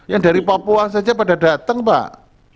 yang dari papua saja pada datang pak